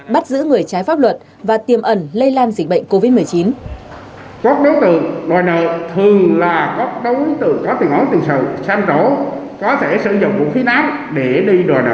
bắt giữ người trái pháp luật và tiềm ẩn lây lan dịch bệnh covid một mươi chín